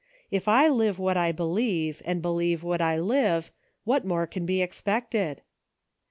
If I live what I believe, and believe what I live, what more can be expected